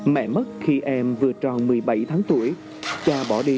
mẹ mất khi em vừa tròn một mươi bảy tháng tuổi cha bỏ đi